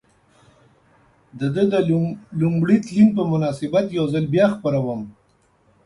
د ده د لومړي تلین په مناسبت یو ځل بیا خپروم.